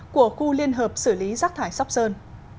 của khu liên hợp xử lý rác thải sóc sơn